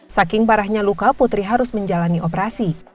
saking parahnya luka putri harus menjalani operasi